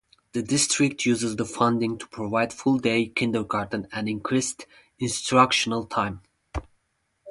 The district uses the funding to provide full-day kindergarten and increased instructional time.